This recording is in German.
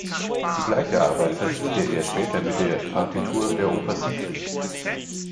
Die gleiche Arbeit verrichtete er später mit der Partitur der Oper "Siegfried".